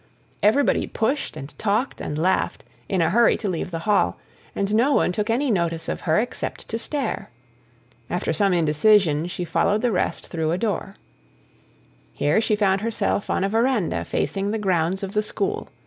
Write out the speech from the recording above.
Everybody pushed, and talked, and laughed, in a hurry to leave the hall, and no one took any notice of her except to stare. After some indecision, she followed the rest through a door. Here she found herself on a verandah facing the grounds of the school.